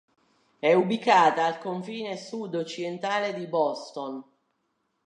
È ubicata al confine sud-occidentale di Boston.